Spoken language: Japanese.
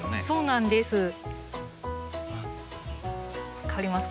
そうなんです。